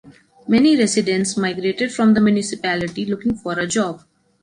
Many residents migrated from the municipality looking for a job.